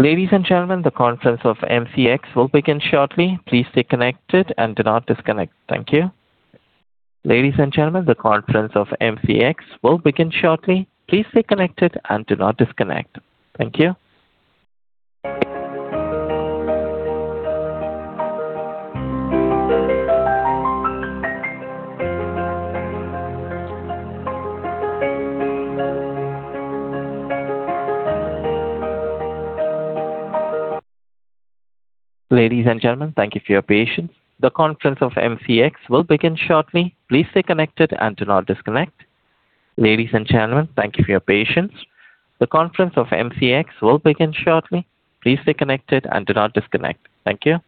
Ladies and gentlemen, the conference of MCX will begin shortly. Please stay connected and do not disconnect. Thank you. Ladies and gentlemen, the conference of MCX will begin shortly. Please stay connected and do not disconnect. Thank you. Ladies and gentlemen, thank you for your patience. The conference of MCX will begin shortly. Please stay connected and do not disconnect. Ladies and gentlemen, thank you for your patience. The conference of MCX will begin shortly. Please stay connected and do not disconnect. Thank you.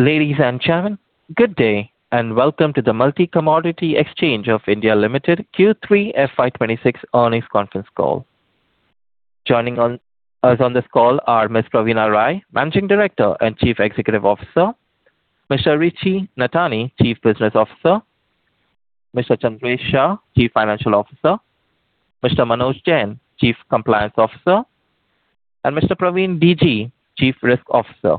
Ladies and gentlemen, good day, and welcome to the Multi Commodity Exchange of India Limited Q3 FY26 earnings conference call. Joining us on this call are Ms. Praveena Rai, Managing Director and Chief Executive Officer, Mr. Rishi Nathany, Chief Business Officer, Mr. Chandresh Shah, Chief Financial Officer, Mr. Manoj Jain, Chief Compliance Officer, and Mr. Praveen DG, Chief Risk Officer.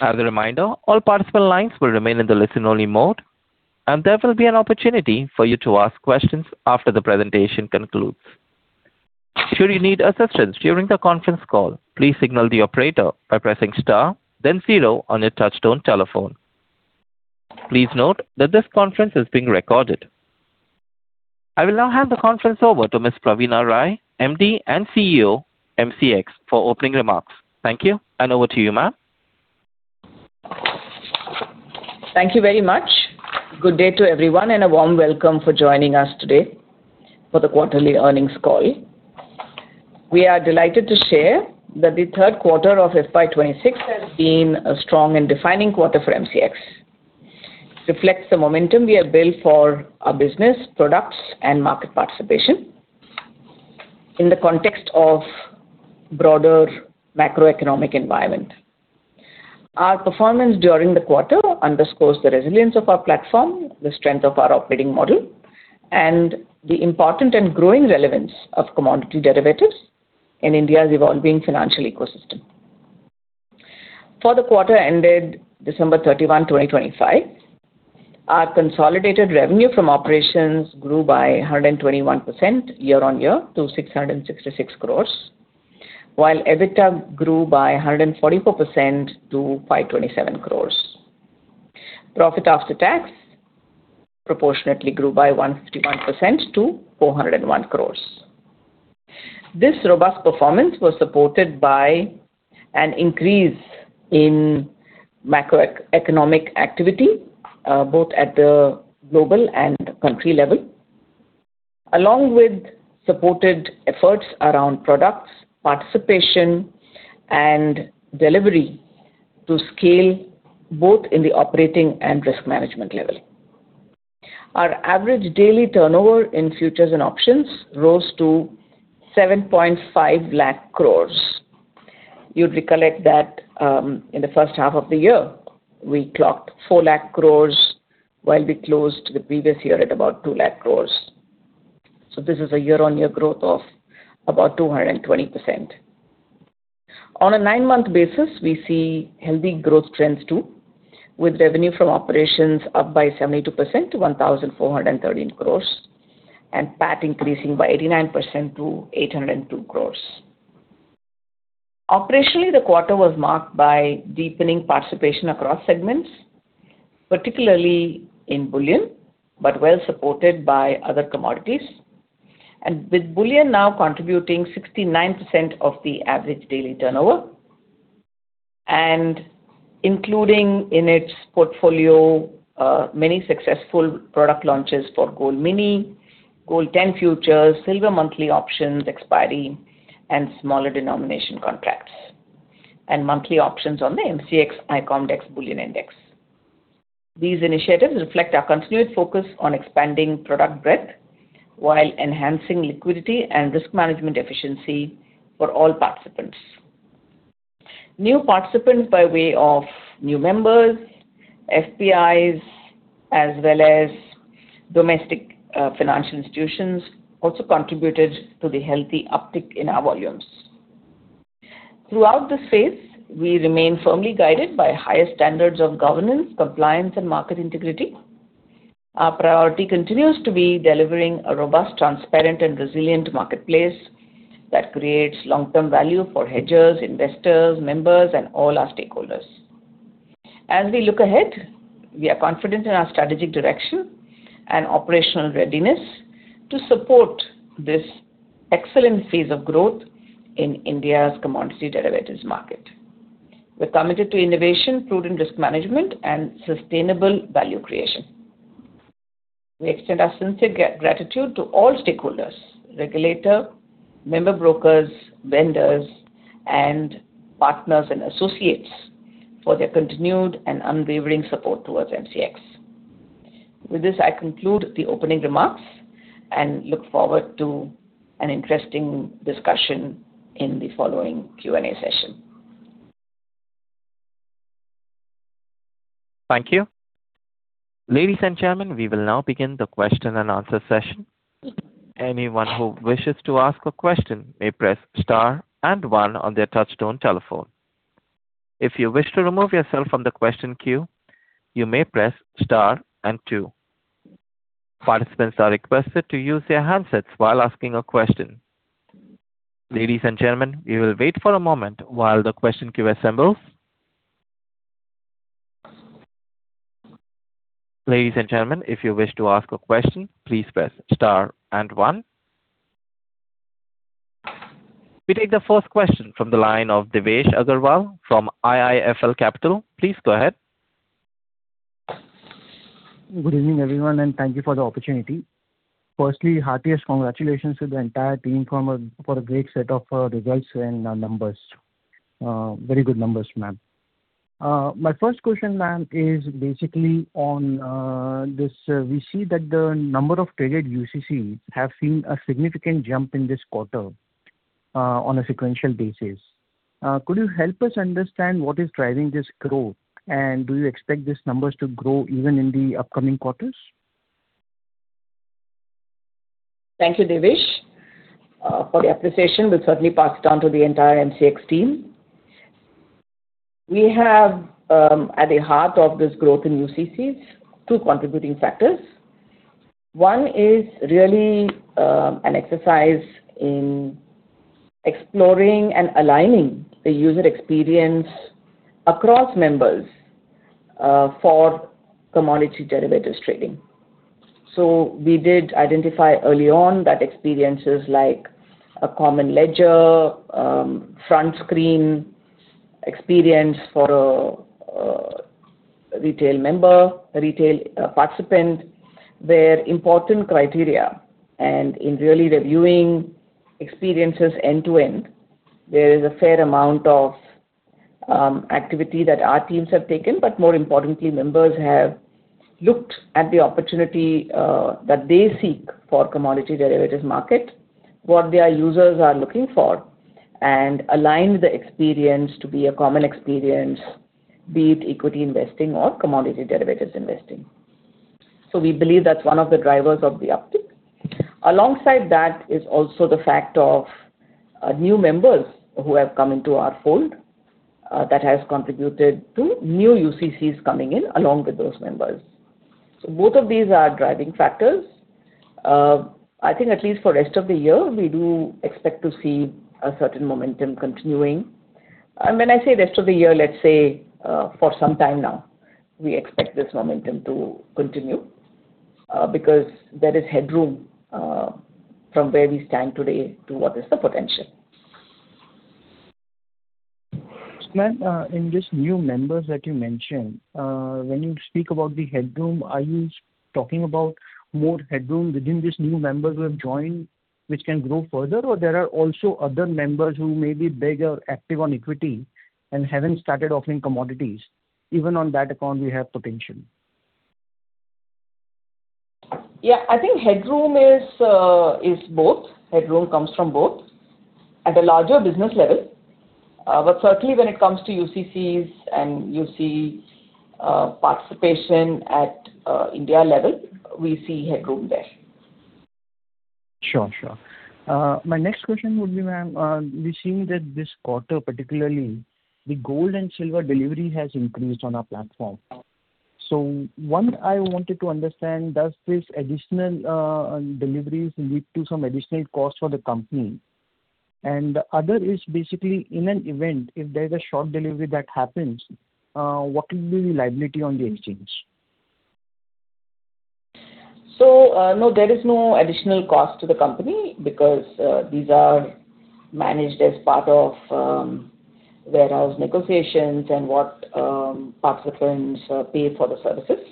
As a reminder, all participant lines will remain in the listen-only mode, and there will be an opportunity for you to ask questions after the presentation concludes. Should you need assistance during the conference call, please signal the operator by pressing star then zero on your touchtone telephone. Please note that this conference is being recorded. I will now hand the conference over to Ms. Praveena Rai, MD and CEO, MCX, for opening remarks. Thank you, and over to you, ma'am. Thank you very much. Good day to everyone, and a warm welcome for joining us today for the quarterly earnings call. We are delighted to share that the third quarter of FY 2026 has been a strong and defining quarter for MCX. Reflects the momentum we have built for our business, products, and market participation in the context of broader macroeconomic environment. Our performance during the quarter underscores the resilience of our platform, the strength of our operating model, and the important and growing relevance of commodity derivatives in India's evolving financial ecosystem. For the quarter ended December 31, 2025, our consolidated revenue from operations grew by 121% year-on-year to 666 crore.... while EBITDA grew by 144% to 527 crore. Profit after tax proportionately grew by 151% to 401 crore. This robust performance was supported by an increase in macroeconomic activity, both at the global and country level, along with supported efforts around products, participation, and delivery to scale, both in the operating and risk management level. Our average daily turnover in futures and options rose to 750,000 crore. You'd recollect that, in the first half of the year, we clocked 400,000 crore, while we closed the previous year at about 200,000 crore. So this is a year-on-year growth of about 220%. On a nine-month basis, we see healthy growth trends, too, with revenue from operations up by 72% to 1,413 crore, and PAT increasing by 89% to 802 crore. Operationally, the quarter was marked by deepening participation across segments, particularly in bullion, but well supported by other commodities. And with bullion now contributing 69% of the average daily turnover, and including in its portfolio many successful product launches for Gold Mini, Gold Ten Futures, Silver Monthly Options expiry, and smaller denomination contracts, and monthly options on the MCX iCOMDEX Bullion Index. These initiatives reflect our continued focus on expanding product breadth while enhancing liquidity and risk management efficiency for all participants. New participants by way of new members, FPIs, as well as domestic financial institutions, also contributed to the healthy uptick in our volumes. Throughout this phase, we remain firmly guided by highest standards of governance, compliance, and market integrity. Our priority continues to be delivering a robust, transparent, and resilient marketplace that creates long-term value for hedgers, investors, members, and all our stakeholders. As we look ahead, we are confident in our strategic direction and operational readiness to support this excellent phase of growth in India's commodity derivatives market. We're committed to innovation, prudent risk management, and sustainable value creation. We extend our sincere gratitude to all stakeholders, regulator, member brokers, vendors, and partners and associates, for their continued and unwavering support towards MCX. With this, I conclude the opening remarks and look forward to an interesting discussion in the following Q&A session. Thank you. Ladies and gentlemen, we will now begin the question-and-answer session. Anyone who wishes to ask a question may press star and one on their touchtone telephone. If you wish to remove yourself from the question queue, you may press star and two. Participants are requested to use their handsets while asking a question. Ladies and gentlemen, we will wait for a moment while the question queue assembles. Ladies and gentlemen, if you wish to ask a question, please press star and one. We take the first question from the line of Devesh Agarwal from IIFL Capital. Please go ahead. Good evening, everyone, and thank you for the opportunity. Firstly, heartiest congratulations to the entire team for a great set of results and numbers. Very good numbers, ma'am. My first question, ma'am, is basically on this, we see that the number of traded UCC have seen a significant jump in this quarter on a sequential basis. Could you help us understand what is driving this growth? And do you expect these numbers to grow even in the upcoming quarters? Thank you, Devesh, for the appreciation. We'll certainly pass it on to the entire MCX team. We have, at the heart of this growth in UCCs, two contributing factors. One is really, an exercise in exploring and aligning the user experience across members, for commodity derivatives trading. So we did identify early on that experiences like a common ledger, front screen experience for a, retail member, a retail, participant, were important criteria. And in really reviewing experiences end-to-end, there is a fair amount of, activity that our teams have taken, but more importantly, members have looked at the opportunity, that they seek for commodity derivatives market, what their users are looking for, and aligned the experience to be a common experience, be it equity investing or commodity derivatives investing. So we believe that's one of the drivers of the uptick. Alongside that is also the fact of new members who have come into our fold, that has contributed to new UCCs coming in along with those members... So both of these are driving factors. I think at least for rest of the year, we do expect to see a certain momentum continuing. And when I say rest of the year, let's say, for some time now, we expect this momentum to continue, because there is headroom, from where we stand today to what is the potential. Ma'am, in these new members that you mentioned, when you speak about the headroom, are you talking about more headroom within these new members who have joined, which can grow further? Or there are also other members who may be big or active on equity and haven't started offering commodities, even on that account we have potential? Yeah, I think headroom is both. Headroom comes from both at a larger business level. But certainly when it comes to UCCs and you see, participation at India level, we see headroom there. Sure, sure. My next question would be, ma'am, we've seen that this quarter, particularly, the gold and silver delivery has increased on our platform. So one, I wanted to understand, does this additional deliveries lead to some additional costs for the company? And the other is basically, in an event, if there's a short delivery that happens, what will be the liability on the exchange? So, no, there is no additional cost to the company because these are managed as part of warehouse negotiations and what participants pay for the services.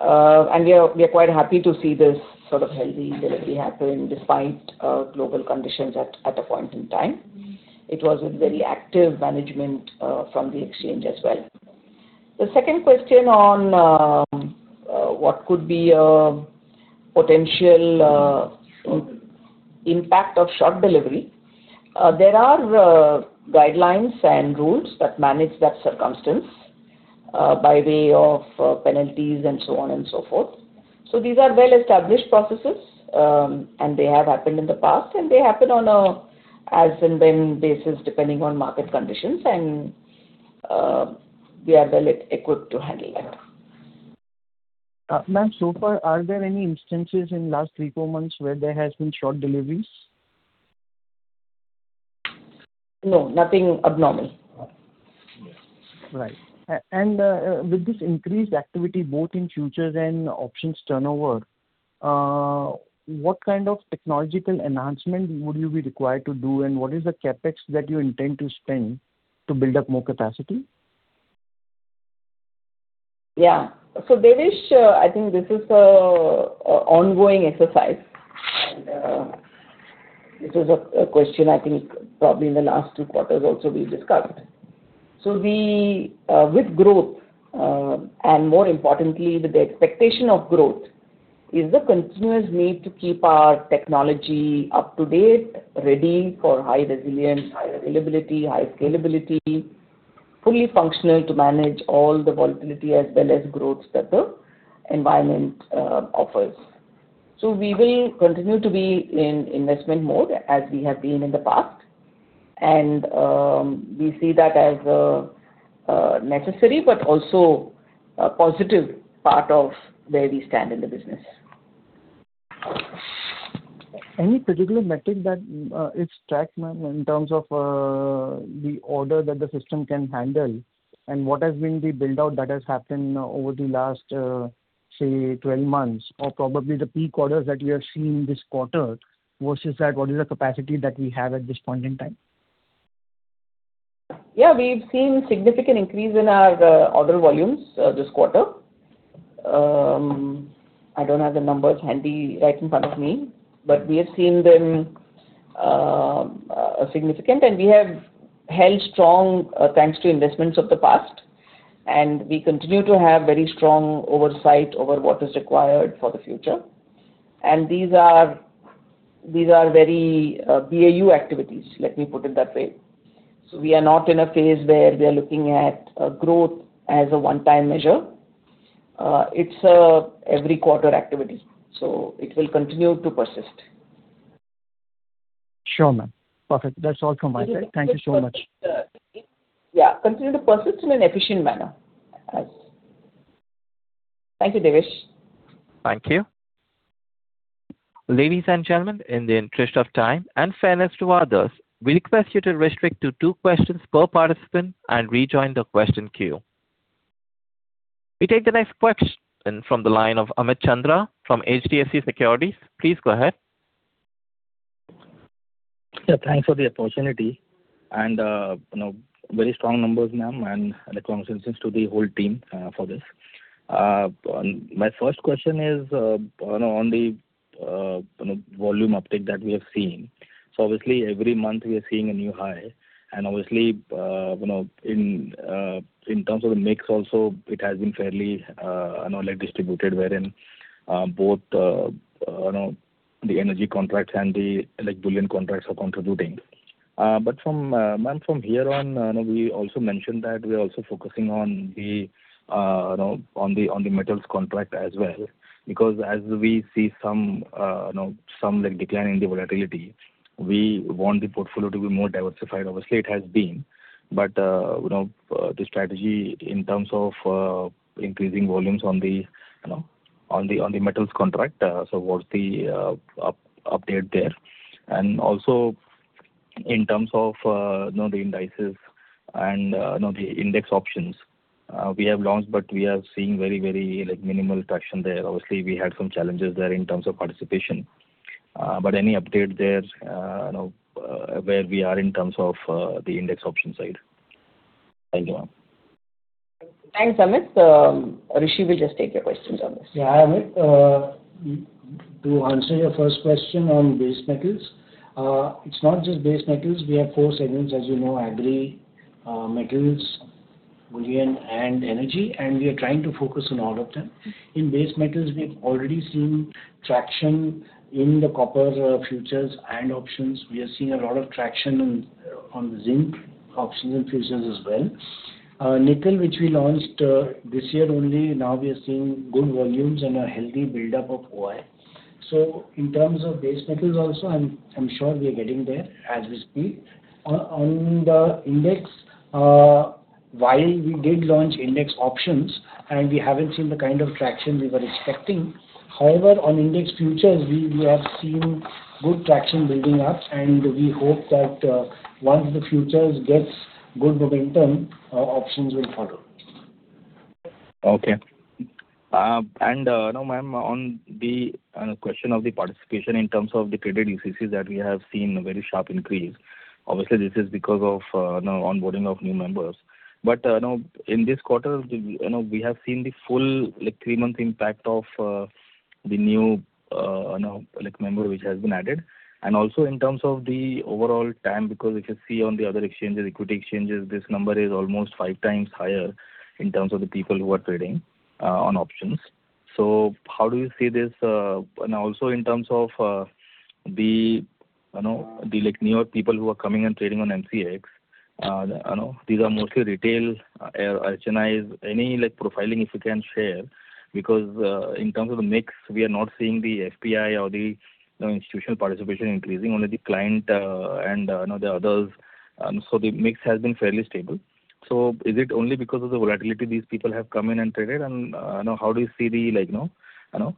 And we are quite happy to see this sort of healthy delivery happen despite global conditions at a point in time. It was a very active management from the exchange as well. The second question on what could be a potential impact of short delivery. There are guidelines and rules that manage that circumstance by way of penalties and so on and so forth. So these are well-established processes, and they have happened in the past, and they happen on an as and when basis, depending on market conditions, and we are well equipped to handle that. Ma'am, so far, are there any instances in last 3-4 months where there has been short deliveries? No, nothing abnormal. Right. And with this increased activity, both in futures and options turnover, what kind of technological enhancement would you be required to do, and what is the CapEx that you intend to spend to build up more capacity? Yeah. So, Devesh, I think this is an ongoing exercise, and this is a question I think probably in the last two quarters also we discussed. So we, with growth, and more importantly, with the expectation of growth, is the continuous need to keep our technology up to date, ready for high resilience, high availability, high scalability, fully functional to manage all the volatility as well as growth that the environment offers. So we will continue to be in investment mode, as we have been in the past, and we see that as necessary, but also a positive part of where we stand in the business. Any particular metric that is tracked, ma'am, in terms of the order that the system can handle? And what has been the build-out that has happened over the last, say, 12 months, or probably the peak orders that we have seen this quarter versus that, what is the capacity that we have at this point in time? Yeah, we've seen significant increase in our order volumes this quarter. I don't have the numbers handy right in front of me, but we have seen them significant. And we have held strong, thanks to investments of the past, and we continue to have very strong oversight over what is required for the future. And these are, these are very BAU activities, let me put it that way. So we are not in a phase where we are looking at growth as a one-time measure. It's a every quarter activity, so it will continue to persist. Sure, ma'am. Perfect. That's all from my side. Thank you so much. Yeah. Continue to persist in an efficient manner. Yes. Thank you, Devesh. Thank you. Ladies and gentlemen, in the interest of time and fairness to others, we request you to restrict to two questions per participant and rejoin the question queue. We take the next question from the line of Amit Chandra from HDFC Securities. Please go ahead. Yeah, thanks for the opportunity. And, you know, very strong numbers, ma'am, and congratulations to the whole team, for this. My first question is, you know, on the, you know, volume uptake that we have seen. So obviously, every month we are seeing a new high, and obviously, you know, in, in terms of the mix also, it has been fairly, you know, like distributed, wherein, both, you know, the energy contracts and the, like, bullion contracts are contributing. But from... Ma'am, from here on, we also mentioned that we are also focusing on the, you know, on the, on the metals contract as well. Because as we see some, you know, some, like, decline in the volatility, we want the portfolio to be more diversified. Obviously, it has been, but, you know, the strategy in terms of increasing volumes on the, you know, on the metals contract, so what's the update there? And also, in terms of, you know, the indices and, you know, the index options, we have launched, but we are seeing very, very, like, minimal traction there. Obviously, we had some challenges there in terms of participation. But any update there, you know, where we are in terms of the index option side? Thank you, ma'am. Thanks, Amit. Rishi will just take your questions on this. Yeah, Amit, to answer your first question on base metals, it's not just base metals. We have four segments, as you know, agri, metals, bullion, and energy, and we are trying to focus on all of them. In base metals, we've already seen traction in the copper futures and options. We are seeing a lot of traction on on zinc options and futures as well. Nickel, which we launched this year only, now we are seeing good volumes and a healthy buildup of OI. So in terms of base metals also, I'm, I'm sure we are getting there as we speak. On the index, while we did launch index options, and we haven't seen the kind of traction we were expecting, however, on index futures, we have seen good traction building up, and we hope that once the futures gets good momentum, our options will follow. Okay. And now, ma'am, on the question of the participation in terms of the traded UCCs, that we have seen a very sharp increase. Obviously, this is because of, you know, onboarding of new members. But now, in this quarter, we, you know, we have seen the full, like, three-month impact of, the new, you know, like, member which has been added. And also, in terms of the overall time, because we can see on the other exchanges, equity exchanges, this number is almost five times higher in terms of the people who are trading on options. So how do you see this... And also in terms of, I know, the, like, newer people who are coming and trading on MCX, I know these are mostly retail, HNI. Any, like, profiling, if you can share? Because, in terms of the mix, we are not seeing the FPI or the, you know, institutional participation increasing, only the client, and, you know, the others. So the mix has been fairly stable. So is it only because of the volatility these people have come in and traded, and, you know, how do you see the, like, you know,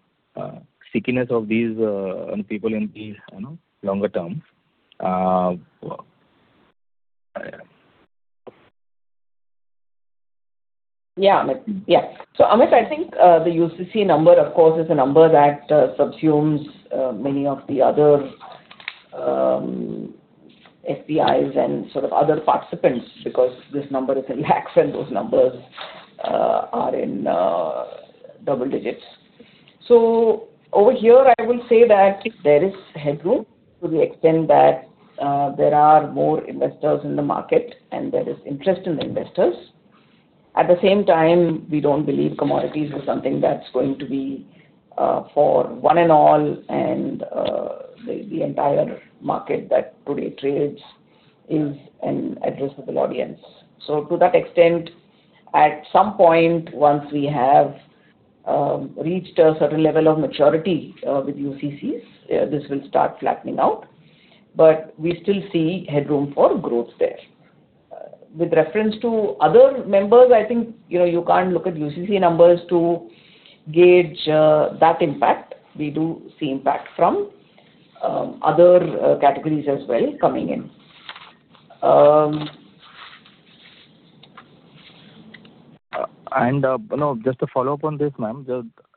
stickiness of these, on people in the longer term? Yeah, Amit. Yeah. So, Amit, I think, the UCC number, of course, is a number that subsumes many of the other FPIs and sort of other participants, because this number is in lakhs, and those numbers are in double digits. So over here, I will say that there is headroom to the extent that there are more investors in the market, and there is interest in the investors. At the same time, we don't believe commodities are something that's going to be for one and all, and the entire market that today trades is an addressable audience. So to that extent, at some point, once we have reached a certain level of maturity with UCCs, this will start flattening out, but we still see headroom for growth there. With reference to other members, I think, you know, you can't look at UCC numbers to gauge that impact. We do see impact from other categories as well coming in. And, you know, just to follow up on this, ma'am,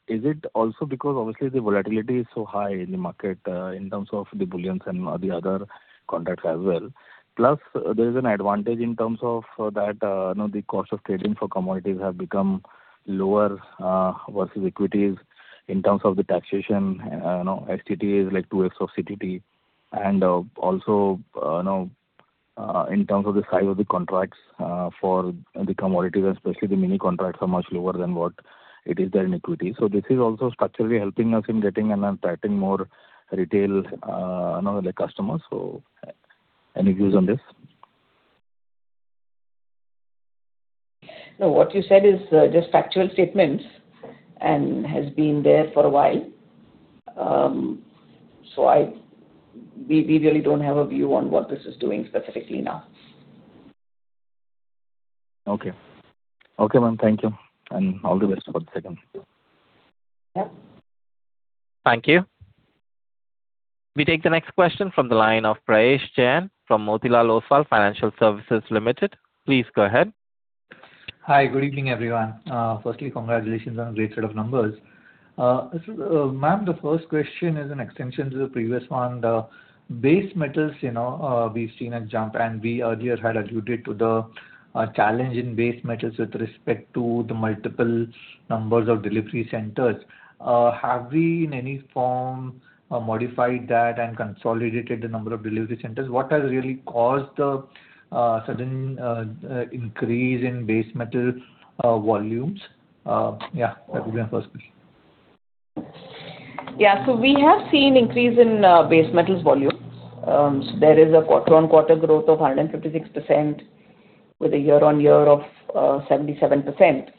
is it also because obviously the volatility is so high in the market, in terms of the bullion and the other contracts as well? Plus, there is an advantage in terms of, that, you know, the cost of trading for commodities have become lower, versus equities in terms of the taxation. You know, STT is like 2x of CTT. And, also, you know, in terms of the size of the contracts, for the commodities, especially the mini contracts, are much lower than what it is there in equity. So this is also structurally helping us in getting and attracting more retail, you know, like, customers. So any views on this? No, what you said is just factual statements and has been there for a while. So we, we really don't have a view on what this is doing specifically now. Okay. Okay, ma'am. Thank you, and all the best for the second. Yeah. Thank you. We take the next question from the line of Prayesh Jain from Motilal Oswal Financial Services Limited. Please go ahead. Hi, good evening, everyone. Firstly, congratulations on a great set of numbers. Ma'am, the first question is an extension to the previous one. The base metals, you know, we've seen a jump, and we earlier had alluded to the challenge in base metals with respect to the multiple numbers of delivery centers. Have we, in any form, modified that and consolidated the number of delivery centers? What has really caused the sudden increase in base metal volumes? Yeah, that will be my first question. Yeah. So we have seen increase in base metals volumes. There is a quarter-on-quarter growth of 156%, with a year-on-year of 77%.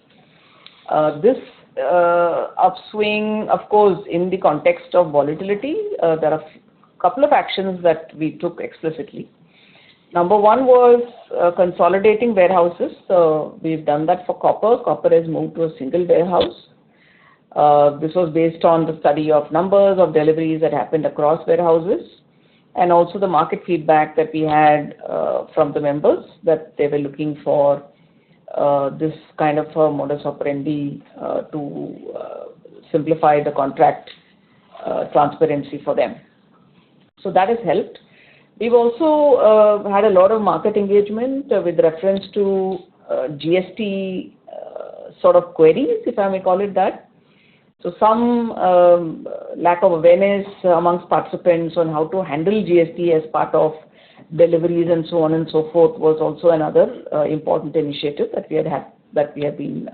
This upswing, of course, in the context of volatility, there are a couple of actions that we took explicitly. Number one was consolidating warehouses. So we've done that for copper. Copper has moved to a single warehouse. This was based on the study of numbers of deliveries that happened across warehouses, and also the market feedback that we had from the members, that they were looking for this kind of a modus operandi to simplify the contract transparency for them. So that has helped. We've also had a lot of market engagement with reference to GST sort of queries, if I may call it that. So some lack of awareness among participants on how to handle GST as part of deliveries and so on and so forth, was also another important initiative that we have been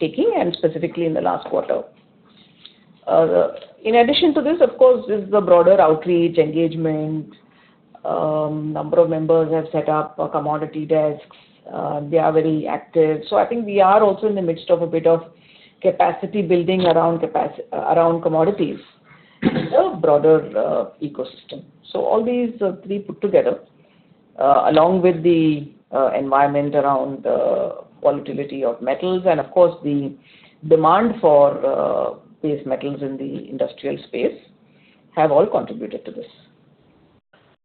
taking, and specifically in the last quarter. In addition to this, of course, is the broader outreach engagement. Number of members have set up a commodity desks. They are very active. So I think we are also in the midst of a bit of capacity building around commodities, in a broader ecosystem. So all these three put together, along with the environment around the volatility of metals and, of course, the demand for base metals in the industrial space, have all contributed to this.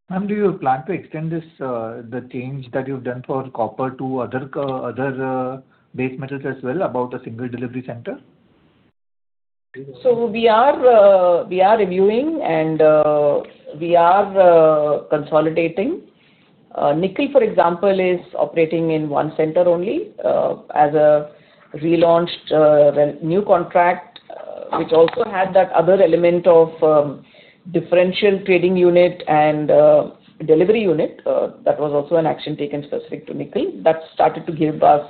Ma'am, do you plan to extend this, the change that you've done for copper to other base metals as well, about the single delivery center? So we are reviewing and consolidating. Nickel, for example, is operating in one center only, as a relaunched, well, new contract, which also had that other element of differential trading unit and delivery unit. That was also an action taken specific to nickel. That started to give us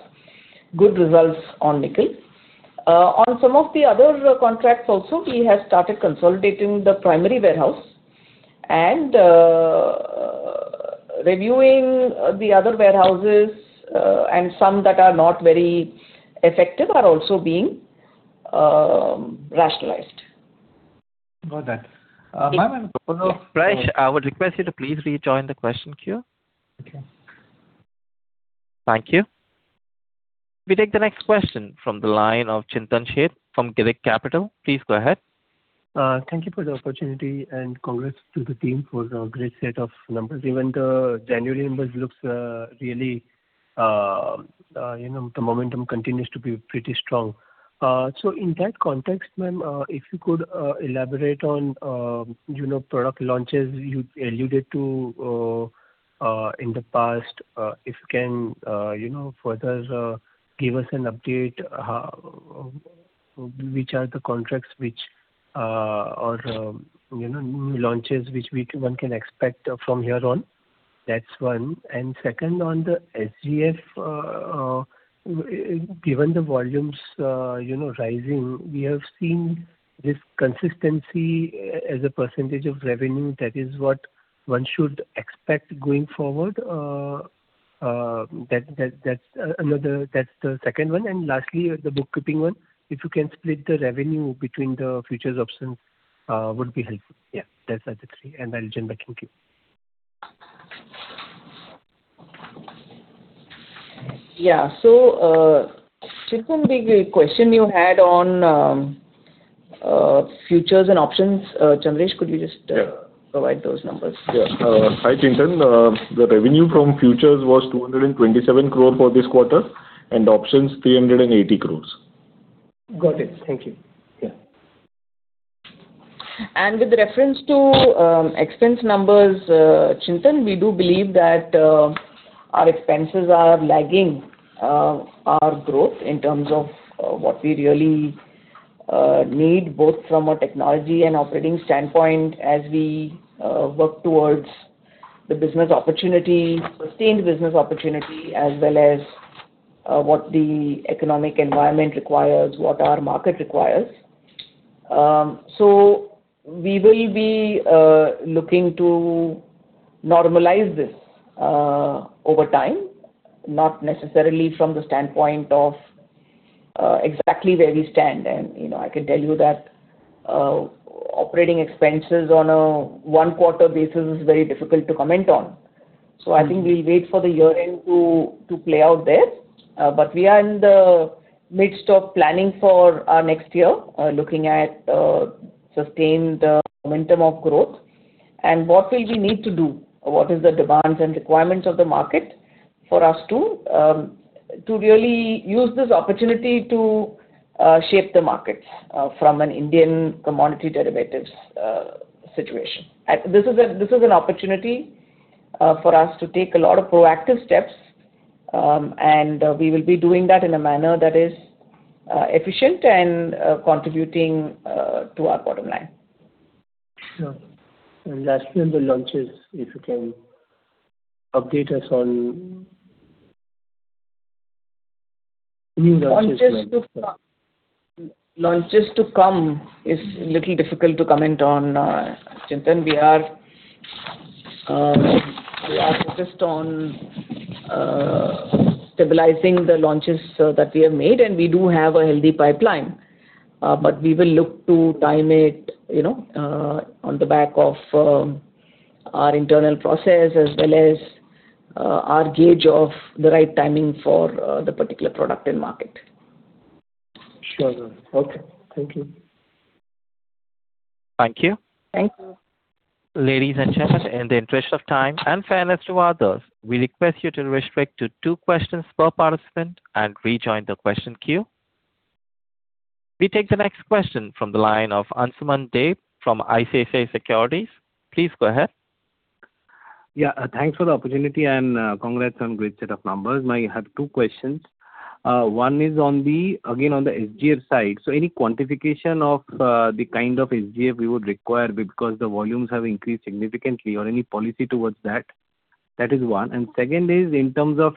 good results on nickel. On some of the other contracts also, we have started consolidating the primary warehouse, and reviewing the other warehouses, and some that are not very effective are also being rationalized. Got that. Ma'am- I would request you to please rejoin the question queue. Okay. Thank you. We take the next question from the line of Chintan Sheth from Girik Capital. Please go ahead. Thank you for the opportunity, and congrats to the team for the great set of numbers. Even the January numbers looks really... You know, the momentum continues to be pretty strong. So in that context, ma'am, if you could elaborate on, you know, product launches you alluded to in the past. If you can, you know, further give us an update, which are the contracts which, or, you know, new launches which one can expect from here on? That's one. And second, on the SGF, given the volumes, you know, rising, we have seen this consistency as a percentage of revenue, that is what one should expect going forward. That's another, that's the second one. And lastly, the bookkeeping one, if you can split the revenue between the futures options, would be helpful. Yeah, that's are the three, and I'll join back. Thank you. Yeah. So, Chintan, the question you had on futures and options, Chandresh, could you just- Yeah. -provide those numbers? Yeah. Hi, Chintan. The revenue from futures was 227 crore for this quarter, and options, 380 crores. Got it. Thank you. Yeah. With reference to expense numbers, Chintan, we do believe that our expenses are lagging our growth in terms of what we really need, both from a technology and operating standpoint, as we work towards the business opportunity, sustained business opportunity, as well as what the economic environment requires, what our market requires. So we will be looking to normalize this over time, not necessarily from the standpoint of exactly where we stand. And, you know, I can tell you that operating expenses on a one-quarter basis is very difficult to comment on. Mm-hmm. So I think we'll wait for the year-end to play out there. But we are in the midst of planning for next year, looking at sustained momentum of growth. And what will we need to do? What is the demands and requirements of the market for us to really use this opportunity to shape the markets from an Indian commodity derivatives situation? This is an opportunity for us to take a lot of proactive steps, and we will be doing that in a manner that is efficient and contributing to our bottom line. Sure. And lastly, on the launches, if you can update us on any launches? Launches to come is a little difficult to comment on, Chintan. We are, we are focused on stabilizing the launches that we have made, and we do have a healthy pipeline. But we will look to time it, you know, on the back of our internal process, as well as our gauge of the right timing for the particular product and market. Sure. Okay. Thank you. Thank you. Thank you. Ladies and gentlemen, in the interest of time and fairness to others, we request you to restrict to two questions per participant and rejoin the question queue. We take the next question from the line of Ansuman Deb from ICICI Securities. Please go ahead. Yeah, thanks for the opportunity, and congrats on great set of numbers. I have two questions. One is on the, again, on the SGF side. So any quantification of the kind of SGF you would require because the volumes have increased significantly, or any policy towards that? That is one. And second is in terms of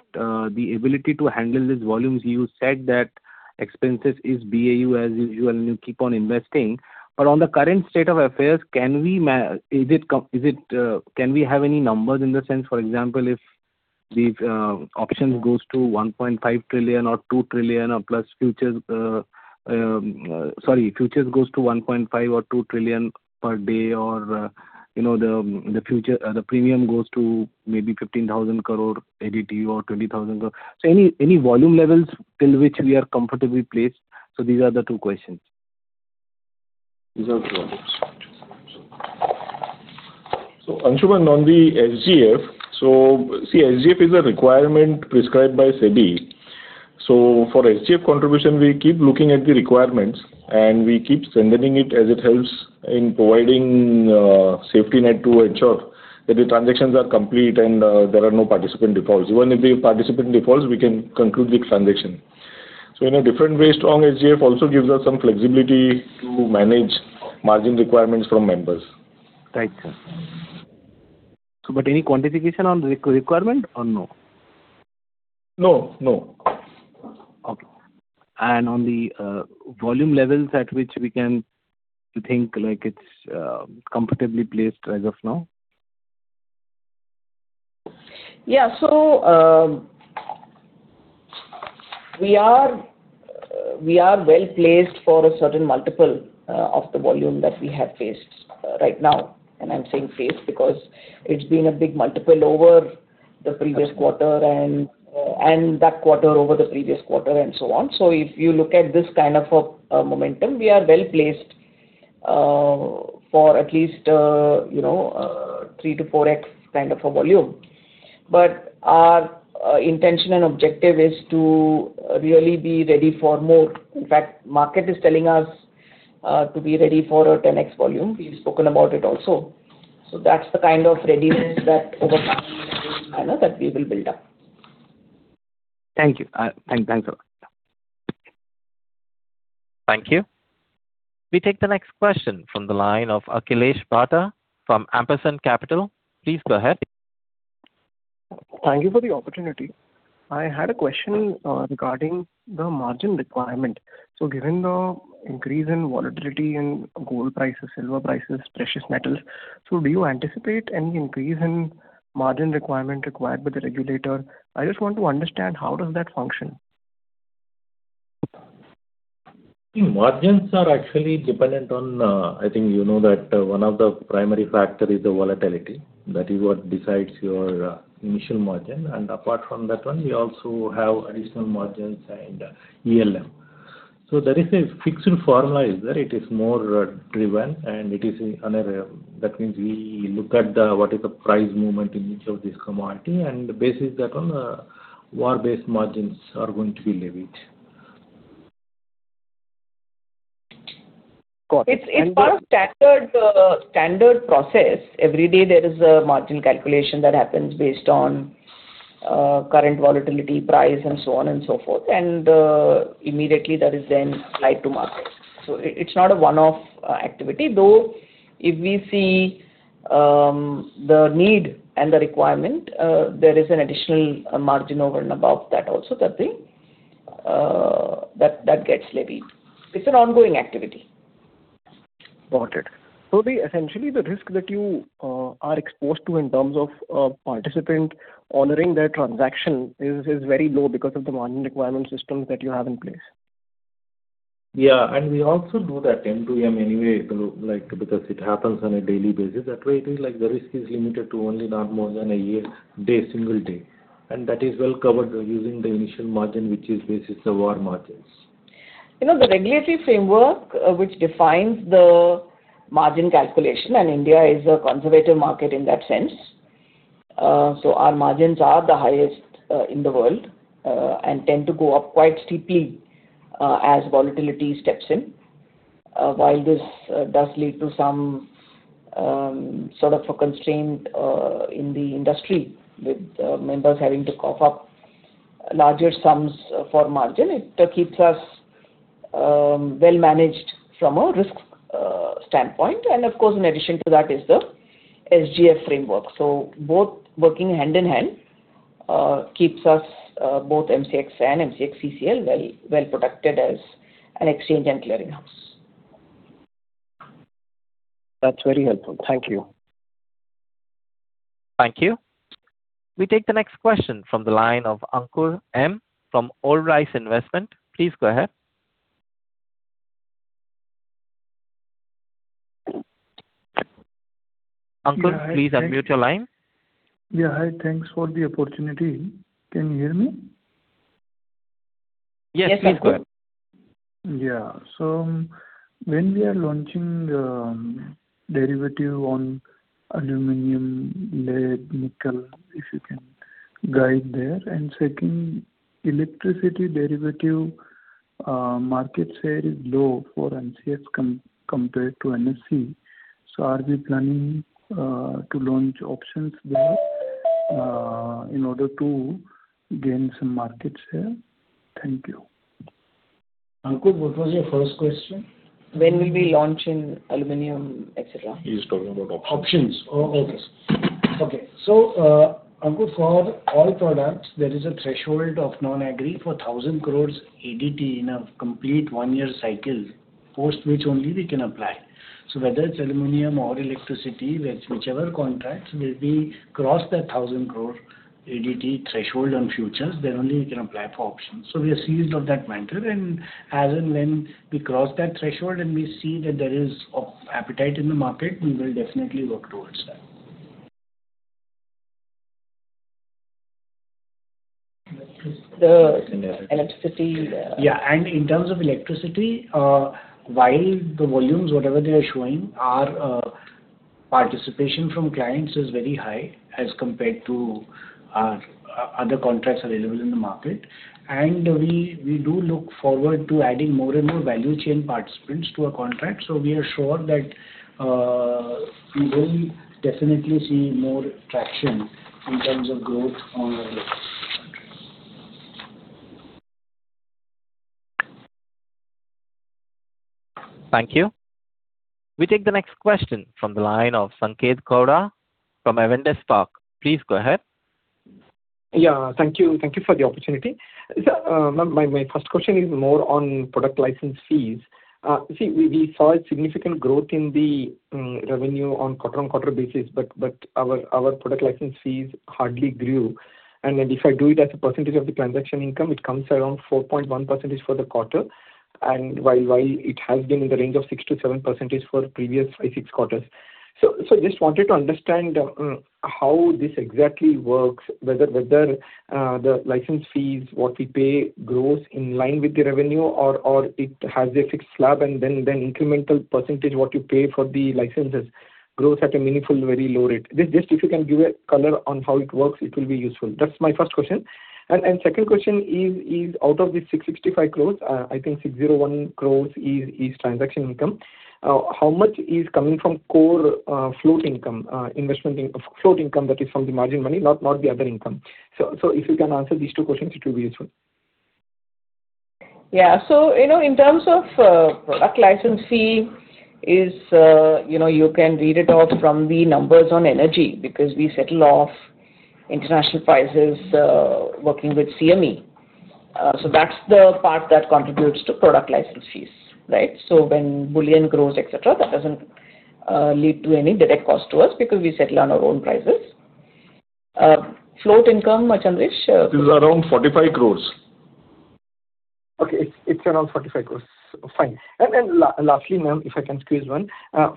the ability to handle these volumes, you said that expenses is BAU as usual, and you keep on investing. But on the current state of affairs, can we have any numbers in the sense, for example, if the options goes to 1.5 trillion or 2 trillion or plus futures. Sorry, futures goes to 1.5 or 2 trillion INR per day, or, you know, the future, the premium goes to maybe 15,000 crore ADT or 20,000 crore. So any, any volume levels till which we are comfortably placed? So these are the two questions. These are two questions. So, Ansuman, on the SGF, so, see, SGF is a requirement prescribed by SEBI. So for SGF contribution, we keep looking at the requirements, and we keep sending it as it helps in providing safety net to ensure that the transactions are complete and there are no participant defaults. Even if the participant defaults, we can conclude the transaction. So in a different way, strong SGF also gives us some flexibility to manage margin requirements from members. Right, sir. Any quantification on the requirement or no? No, no. Okay. And on the volume levels at which we can think, like, it's comfortably placed as of now? Yeah. So, we are, we are well-placed for a certain multiple of the volume that we have faced right now. And I'm saying faced, because it's been a big multiple over the previous quarter, and that quarter over the previous quarter, and so on. So if you look at this kind of a momentum, we are well-placed for at least, you know, 3-4x kind of a volume. But our intention and objective is to really be ready for more. In fact, market is telling us to be ready for a 10x volume. We've spoken about it also. So that's the kind of readiness that over that we will build up. Thank you. Thanks a lot. Thank you. We take the next question from the line of Akhilesh Barta from Ampersand Capital. Please go ahead. Thank you for the opportunity. I had a question regarding the margin requirement. So given the increase in volatility in gold prices, silver prices, precious metals, so do you anticipate any increase in margin requirement required by the regulator? I just want to understand how does that function? Margins are actually dependent on, I think you know that one of the primary factor is the volatility. That is what decides your initial margin, and apart from that one, we also have additional margins and ELM. So there is a fixed formula is there. It is more driven, and it is on a... That means we look at the, what is the price movement in each of these commodities, and based on that, on vol-based margins are going to be levied. Got it. It's part of standard process. Every day, there is a margin calculation that happens based on current volatility, price, and so on and so forth, and immediately that is then applied to markets. So it's not a one-off activity, though if we see the need and the requirement, there is an additional margin over and above that also, that gets levied. It's an ongoing activity. Got it. So essentially, the risk that you are exposed to in terms of participant honoring their transaction is very low because of the margin requirement systems that you have in place? Yeah, and we also do that end-to-end anyway, to, like, because it happens on a daily basis. That way, it is like the risk is limited to only not more than intra-day, single day. And that is well covered using the initial margin, which is basis VaR margins. You know, the regulatory framework, which defines the margin calculation, and India is a conservative market in that sense, so our margins are the highest, in the world, and tend to go up quite steeply, as volatility steps in. While this does lead to some sort of a constraint in the industry, with the members having to cough up larger sums for margin, it keeps us well-managed from a risk standpoint. And of course, in addition to that is the SGF framework. So both working hand in hand keeps us both MCX and MCX-CCL well-protected as an exchange and clearing house. ...That's very helpful. Thank you. Thank you. We take the next question from the line of Ankur M. from Old Bridge Capital Management. Please go ahead. Ankur, please unmute your line. Yeah, hi. Thanks for the opportunity. Can you hear me? Yes, please go ahead. Yeah. So when we are launching derivative on Aluminum, Lead, Nickel, if you can guide there. And second, Electricity derivative market share is low for MCX compared to NSE. So are we planning to launch options there in order to gain some market share? Thank you. Ankur, what was your first question? When will be launching aluminum, et cetera? He's talking about options. Options. Oh, okay. Okay. So, Ankur, for all products, there is a threshold of non-agri for 1,000 crore ADT in a complete one-year cycle, post which only we can apply. So whether it's aluminum or electricity, whichever contracts will be crossed that 1,000 crore ADT threshold on futures, then only you can apply for options. So we are seized of that mantle, and as and when we cross that threshold, and we see that there is of appetite in the market, we will definitely work towards that. The electricity, Yeah, and in terms of electricity, while the volumes, whatever they are showing, our participation from clients is very high as compared to other contracts available in the market. And we do look forward to adding more and more value chain participants to our contract. So we are sure that we will definitely see more traction in terms of growth on our list. Thank you. We take the next question from the line of Sanket Godha from Avendus Spark. Please go ahead. Yeah, thank you. Thank you for the opportunity. Sir, my first question is more on product license fees. See, we saw a significant growth in the revenue on quarter-on-quarter basis, but our product license fees hardly grew. And then if I do it as a percentage of the transaction income, it comes around 4.1% for the quarter, and while it has been in the range of 6%-7% for previous five, six quarters. So just wanted to understand how this exactly works, whether the license fees what we pay grows in line with the revenue, or it has a fixed slab and then incremental percentage what you pay for the licenses grows at a meaningful, very low rate. Just if you can give a color on how it works, it will be useful. That's my first question. And second question is, out of the 665 crore, I think 601 crore is transaction income, how much is coming from core float income? Investment in... Float income, that is, from the margin money, not the other income. So if you can answer these two questions, it will be useful. Yeah. So, you know, in terms of, product license fee is, you know, you can read it out from the numbers on energy, because we settle off international prices, working with CME. So that's the part that contributes to product license fees, right? So when bullion grows, et cetera, that doesn't, lead to any direct cost to us, because we settle on our own prices. Float income, Chandresh, This is around 45 crore. Okay, it's around 45 crore. Fine. And then lastly, ma'am, if I can squeeze one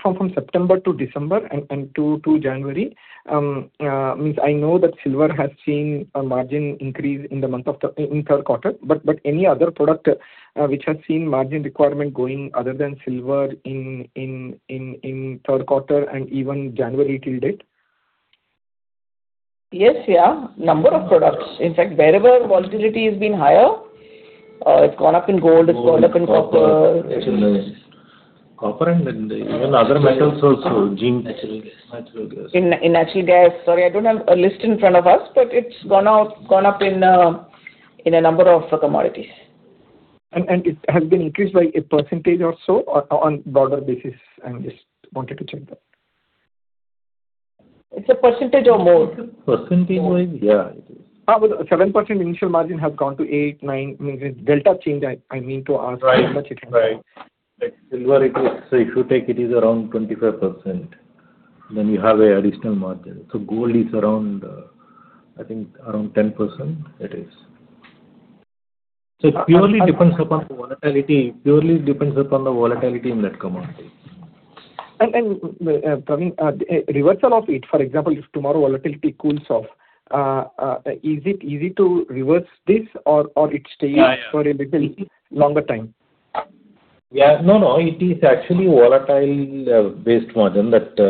from September to December and to January, means I know that silver has seen a margin increase in the month of the third quarter, but any other product which has seen margin requirement going other than silver in third quarter and even January till date? Yes, yeah. Number of products. In fact, wherever volatility has been higher, it's gone up in gold, it's gone up in copper. Copper and even other metals also, Zinc. Natural gas. Natural gas. Actually, guys, sorry, I don't have a list in front of us, but it's gone up in a number of commodities. It has been increased by a percentage or so, on broader basis? I just wanted to check that. It's a percentage or more. Percentage-wise? Yeah. But 7% initial margin have gone to 8-9%. I mean the delta change, I mean to ask- Right. How much it has gone? Right. Like silver, it is. So if you take it, is around 25%, then you have an additional margin. So gold is around, I think around 10% it is. It purely depends upon the volatility. Purely depends upon the volatility in that commodity. And Praveen, reversal of it, for example, if tomorrow volatility cools off, is it easy to reverse this or it stays- Yeah, yeah. for a little longer time? Yeah, no, no. It is actually volatile-based margin that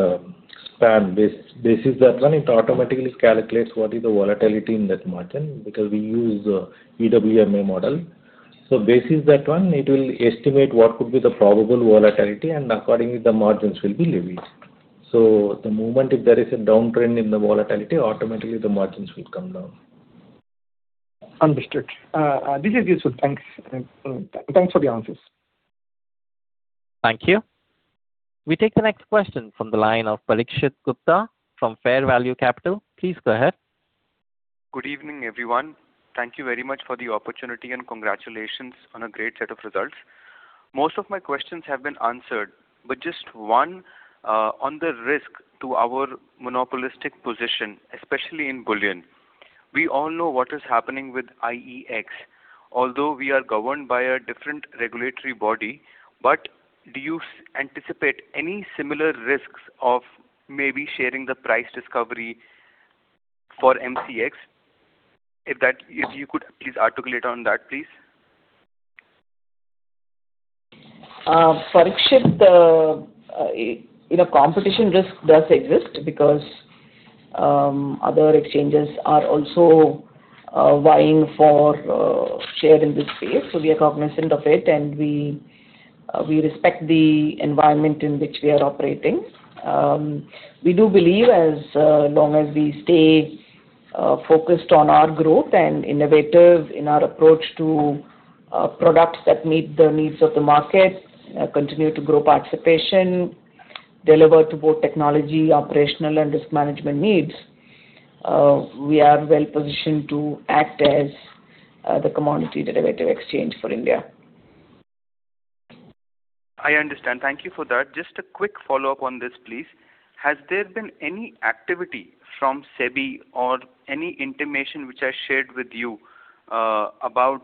span-based. This is that one. It automatically calculates what is the volatility in that margin, because we use EWMA model. So this is that one. It will estimate what could be the probable volatility, and accordingly, the margins will be levied. So the moment if there is a downtrend in the volatility, automatically the margins will come down. Understood. This is useful. Thanks. Thanks for the answers. Thank you. We take the next question from the line of Parikshit Gupta from Fair Value Capital. Please go ahead.... Good evening, everyone. Thank you very much for the opportunity, and congratulations on a great set of results. Most of my questions have been answered, but just one on the risk to our monopolistic position, especially in bullion. We all know what is happening with IEX, although we are governed by a different regulatory body, but do you anticipate any similar risks of maybe sharing the price discovery for MCX? If you could please articulate on that, please. Parikshit, the, you know, competition risk does exist because other exchanges are also vying for share in this space. So we are cognizant of it, and we respect the environment in which we are operating. We do believe as long as we stay focused on our growth and innovative in our approach to products that meet the needs of the market, continue to grow participation, deliver to both technology, operational, and risk management needs, we are well positioned to act as the commodity derivative exchange for India. I understand. Thank you for that. Just a quick follow-up on this, please. Has there been any activity from SEBI or any intimation which I shared with you, about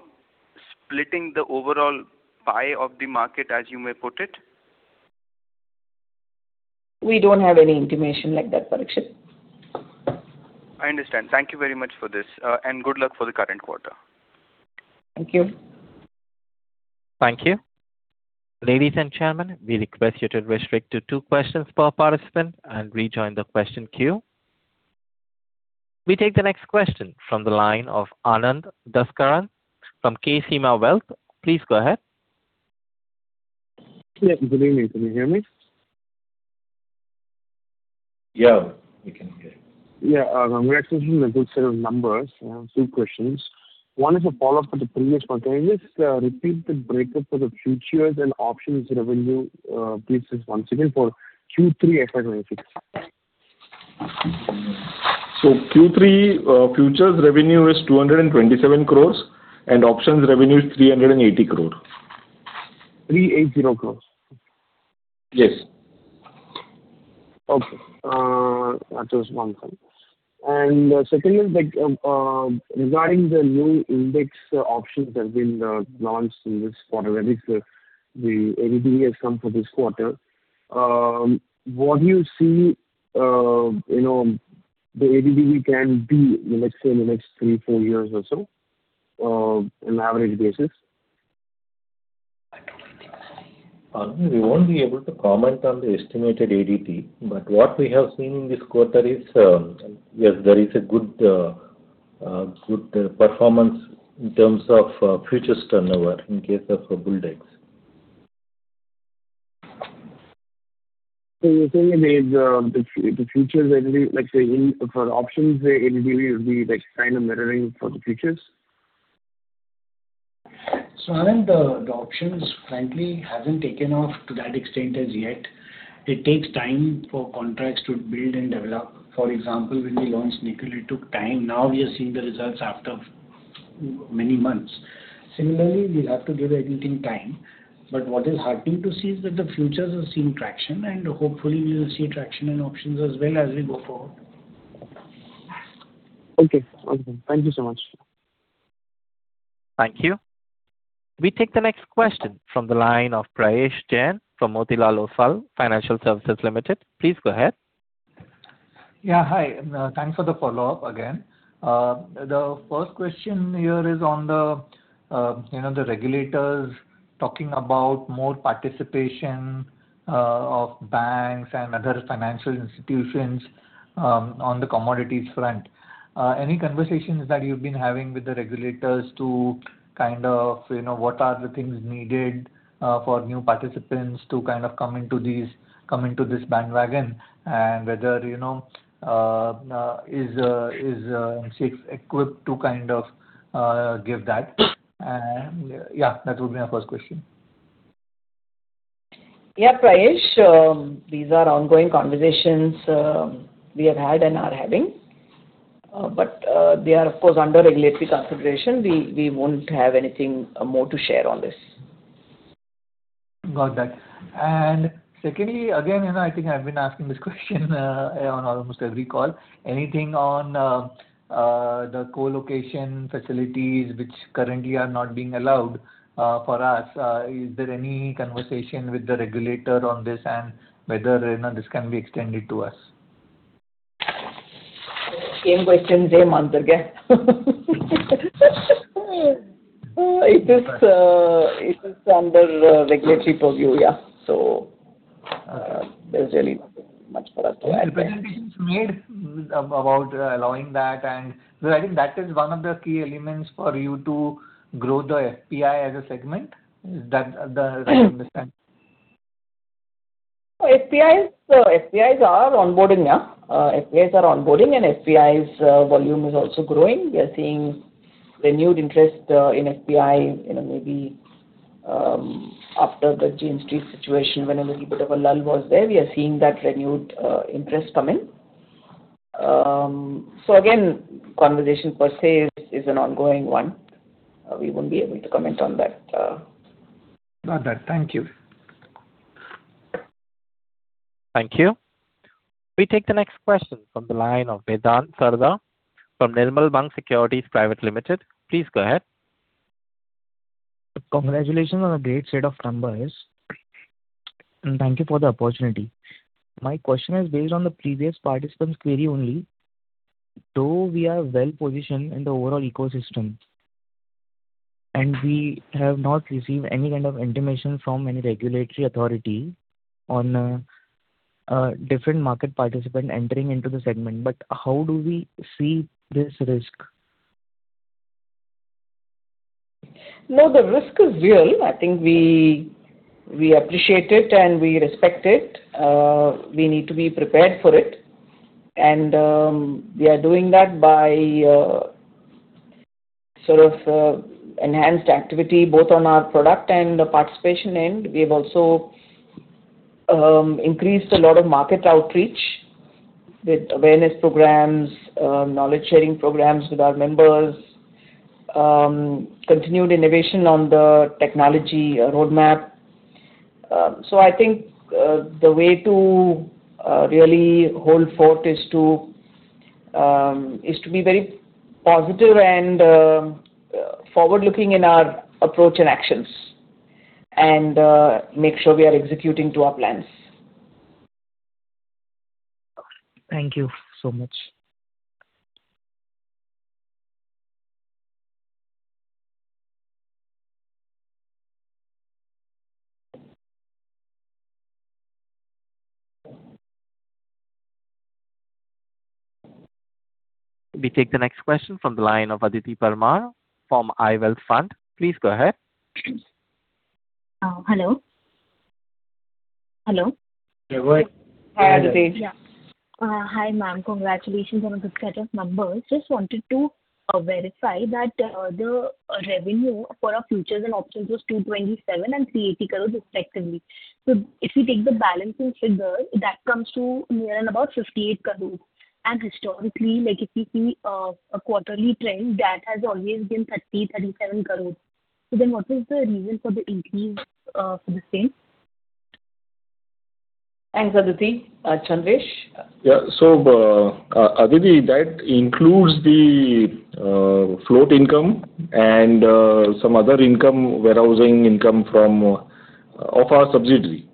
splitting the overall pie of the market, as you may put it? We don't have any intimation like that, Parikshit. I understand. Thank you very much for this, and good luck for the current quarter. Thank you. Thank you. Ladies and gentlemen, we request you to restrict to two questions per participant and rejoin the question queue. We take the next question from the line of Anand Dasaran from Kshema Wealth. Please go ahead. Yeah, good evening. Can you hear me? Yeah, we can hear you. Yeah, congratulations on a good set of numbers. I have two questions. One is a follow-up to the previous one. Can you just repeat the breakup for the futures and options revenue, please, just once again for Q3 FY 2026? Q3 futures revenue is 227 crore, and options revenue is 380 crore. 380 crore? Yes. Okay, that was one thing. And secondly, like, regarding the new index options that have been, launched in this quarter, I mean, the ADT has come for this quarter, what do you see, you know, the ADT can be in the next, say, in the next three, four years or so, in average basis? Anand, we won't be able to comment on the estimated ADT, but what we have seen in this quarter is, yes, there is a good performance in terms of futures turnover in case of BullDex. So you're saying that the futures revenue, like say in, for options, the ADT will be like kind of mirroring for the futures? So Anand, the options frankly hasn't taken off to that extent as yet. It takes time for contracts to build and develop. For example, when we launched Nickel, it took time. Now we are seeing the results after many months. Similarly, we'll have to give everything time, but what is heartening to see is that the futures are seeing traction, and hopefully we will see traction in options as well as we go forward. Okay. Awesome. Thank you so much. Thank you. We take the next question from the line of Prayesh Jain from Motilal Oswal Financial Services Limited. Please go ahead. Yeah, hi. Thanks for the follow-up again. The first question here is on the, you know, the regulators talking about more participation of banks and other financial institutions on the commodities front. Any conversations that you've been having with the regulators to kind of, you know, what are the things needed for new participants to kind of come into these—come into this bandwagon, and whether, you know, is MCX equipped to kind of give that? Yeah, that would be my first question. Yeah, Prayesh, these are ongoing conversations we have had and are having. But they are, of course, under regulatory consideration. We won't have anything more to share on this. Got that. And secondly, again, and I think I've been asking this question on almost every call, anything on the co-location facilities which currently are not being allowed for us? Is there any conversation with the regulator on this and whether or not this can be extended to us? Same question, same answer, yeah. It is, it is under regulatory purview, yeah. So, there's really nothing much for us to add. The presentation is made about allowing that, and so I think that is one of the key elements for you to grow the FPI as a segment. Is that the understanding? FPIs, FPIs are onboarding, yeah. FPIs are onboarding, and FPIs volume is also growing. We are seeing renewed interest in FPI, you know, maybe, after the Jane Street situation, when a little bit of a lull was there, we are seeing that renewed interest coming. So again, conversation per se is an ongoing one. We won't be able to comment on that. Got that. Thank you. Thank you. We take the next question from the line of Vedant Sarda from Nirmal Bang Securities Private Limited. Please go ahead. Congratulations on a great set of numbers, and thank you for the opportunity. My question is based on the previous participant's query only. Though we are well-positioned in the overall ecosystem, and we have not received any kind of intimation from any regulatory authority on, different market participant entering into the segment, but how do we see this risk? No, the risk is real. I think we appreciate it, and we respect it. We need to be prepared for it. We are doing that by sort of enhanced activity, both on our product and the participation end. We have also increased a lot of market outreach with awareness programs, knowledge-sharing programs with our members, continued innovation on the technology roadmap. So I think the way to really hold forth is to be very positive and forward-looking in our approach and actions, and make sure we are executing to our plans. Thank you so much. We take the next question from the line of Aditi Parmar from EL Fund. Please go ahead. Hello? Hello. Go ahead. Hi, Aditi. Yeah. Hi, ma'am. Congratulations on a good set of numbers. Just wanted to verify that the revenue for our futures and options was 227 crores and 380 crores respectively. So if we take the balancing figure, that comes to near and about 58 crores. And historically, like, if we see a quarterly trend, that has always been 30, 37 crores. So then what is the reason for the increase for the same? Thanks, Aditi. Chandresh? Yeah. So, Aditi, that includes the float income and some other income, warehousing income from of our subsidiary.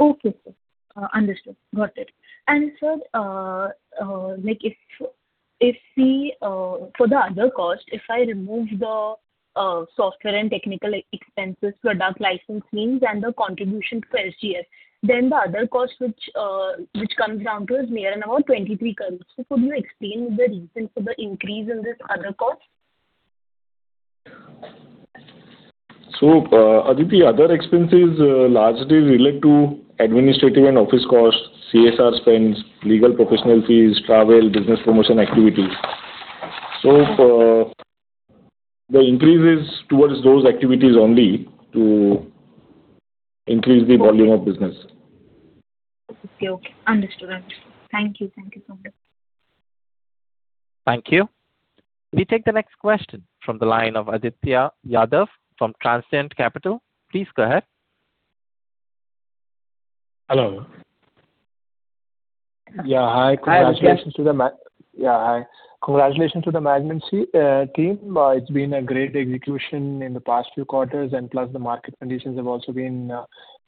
Okay, sir. Understood. Got it. And sir, like, if, if we, for the other cost, if I remove the, software and technical expenses, product licensing fees, and the contribution to SGF, then the other cost which, which comes down to is near and about 23 crore. So could you explain the reason for the increase in this other cost? So, Aditi, other expenses are largely related to administrative and office costs, CSR spends, legal professional fees, travel, business promotion activities. The increase is towards those activities only to increase the volume of business. Okay, okay. Understood, understood. Thank you. Thank you so much. Thank you. We take the next question from the line of Aditya Yadav from Transient Capital. Please go ahead. Hello. Yeah, hi. Hi, Aditya. Congratulations to the management team. It's been a great execution in the past few quarters, and plus the market conditions have also been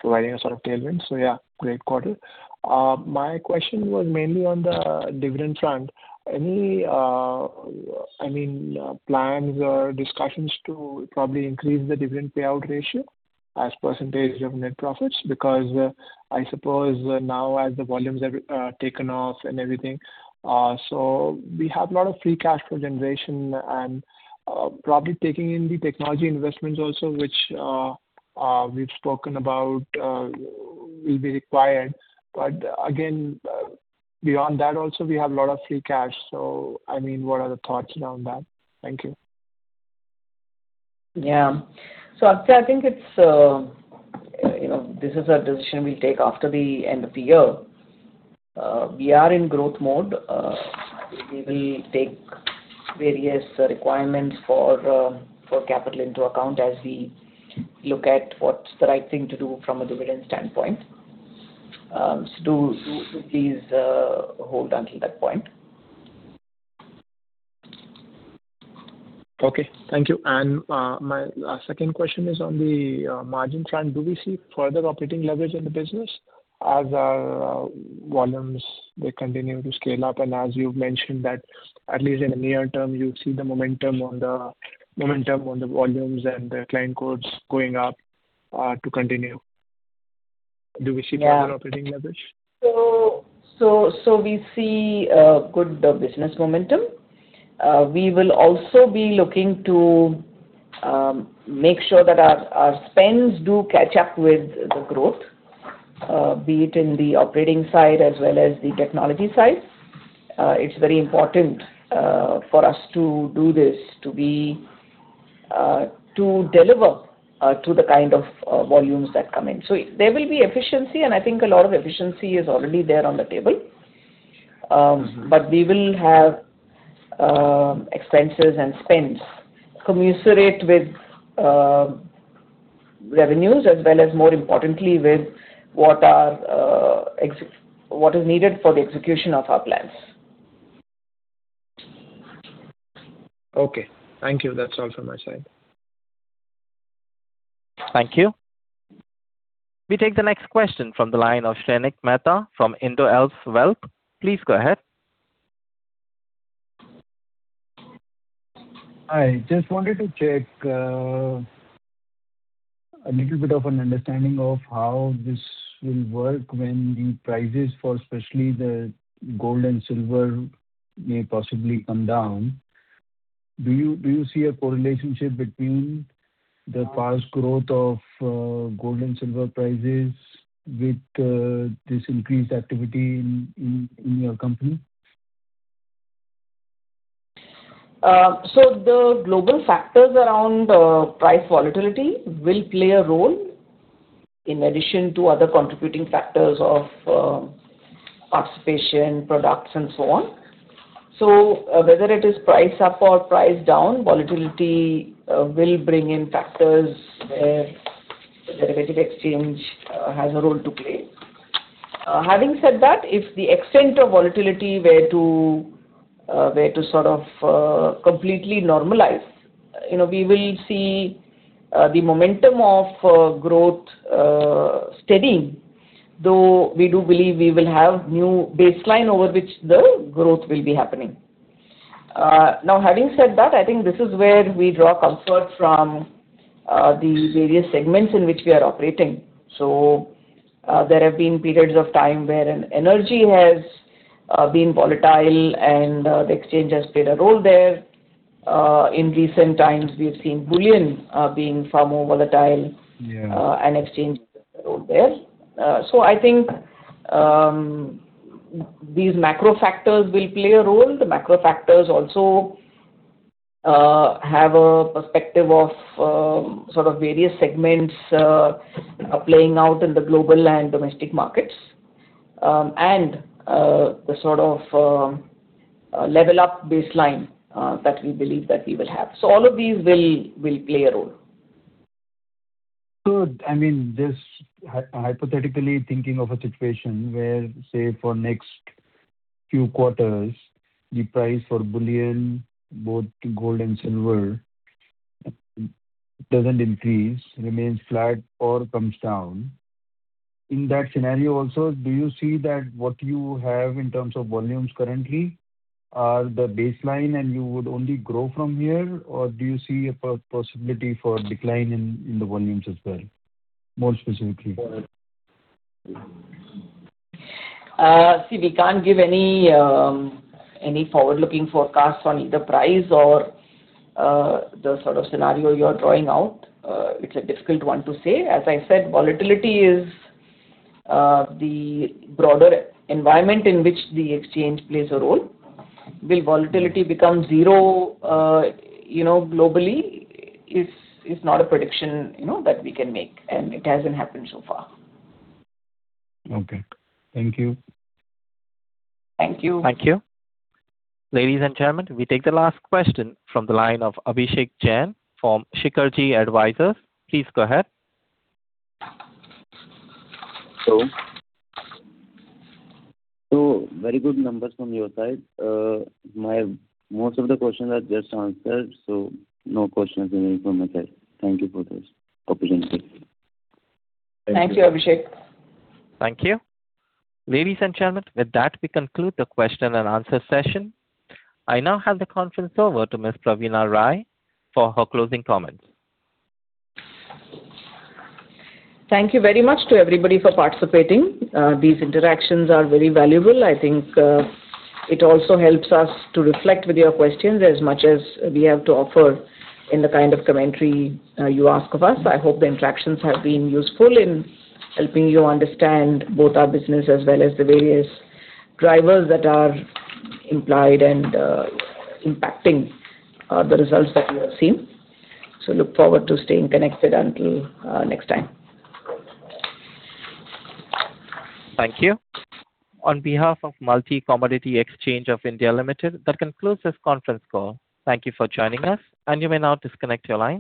providing a sort of tailwind. So yeah, great quarter. My question was mainly on the dividend front. Any, I mean, plans or discussions to probably increase the dividend payout ratio as percentage of net profits? Because, I suppose now as the volumes have taken off and everything, so we have a lot of free cash flow generation and, probably taking in the technology investments also, which, we've spoken about, will be required. But again, beyond that also, we have a lot of free cash. So, I mean, what are the thoughts around that? Thank you. Yeah. So Aditya, I think it's, you know, this is a decision we'll take after the end of the year. We are in growth mode. We will take various requirements for, for capital into account as we look at what's the right thing to do from a dividend standpoint. So, please, hold until that point. Okay, thank you. And, my, second question is on the, margin front. Do we see further operating leverage in the business as our volumes, they continue to scale up, and as you've mentioned that at least in the near term, you see the momentum on the—momentum on the volumes and the client cohorts going up, to continue? Do we see- Yeah. further operating leverage? So we see a good business momentum. We will also be looking to make sure that our, our spends do catch up with the growth. Be it in the operating side as well as the technology side, it's very important for us to do this, to be to deliver to the kind of volumes that come in. So there will be efficiency, and I think a lot of efficiency is already there on the table. Mm-hmm. But we will have expenses and spends commensurate with revenues, as well as more importantly, with what is needed for the execution of our plans. Okay. Thank you. That's all from my side. Thank you. We take the next question from the line of Shrenik Mehta from IndoAlpha Wealth. Please go ahead. Hi. Just wanted to check, a little bit of an understanding of how this will work when the prices for especially the gold and silver may possibly come down. Do you see a correlation between the fast growth of gold and silver prices with this increased activity in your company? So the global factors around price volatility will play a role in addition to other contributing factors of participation, products, and so on. So whether it is price up or price down, volatility will bring in factors where the derivative exchange has a role to play. Having said that, if the extent of volatility were to sort of completely normalize, you know, we will see the momentum of growth steadying, though we do believe we will have new baseline over which the growth will be happening. Now, having said that, I think this is where we draw comfort from the various segments in which we are operating. So there have been periods of time where energy has been volatile and the exchange has played a role there. In recent times, we've seen bullion being far more volatile- Yeah. and exchange role there. So I think these macro factors will play a role. The macro factors also have a perspective of sort of various segments playing out in the global and domestic markets. And the sort of level up baseline that we believe that we will have. So all of these will play a role. So, I mean, just hypothetically thinking of a situation where, say, for next few quarters, the price for bullion, both gold and silver, doesn't increase, remains flat or comes down. In that scenario also, do you see that what you have in terms of volumes currently are the baseline and you would only grow from here? Or do you see a possibility for decline in the volumes as well, more specifically? See, we can't give any, any forward-looking forecasts on either price or the sort of scenario you're drawing out. It's a difficult one to say. As I said, volatility is the broader environment in which the exchange plays a role. Will volatility become zero, you know, globally? It's not a prediction, you know, that we can make, and it hasn't happened so far. Okay. Thank you. Thank you. Thank you. Ladies and gentlemen, we take the last question from the line of Abhishek Jain from Arihant Capital. Please go ahead. So, very good numbers from your side. Most of the questions are just answered, so no questions from my side. Thank you for this opportunity. Thank you, Abhishek. Thank you. Ladies and gentlemen, with that, we conclude the question and answer session. I now hand the conference over to Ms. Praveena Rai for her closing comments. Thank you very much to everybody for participating. These interactions are very valuable. I think, it also helps us to reflect with your questions as much as we have to offer in the kind of commentary, you ask of us. I hope the interactions have been useful in helping you understand both our business as well as the various drivers that are implied and, impacting, the results that you have seen. So look forward to staying connected until next time. Thank you. On behalf of Multi Commodity Exchange of India, Limited, that concludes this conference call. Thank you for joining us, and you may now disconnect your lines.